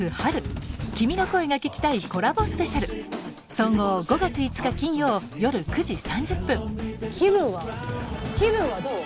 総合５月５日金曜夜９時３０分気分はどう？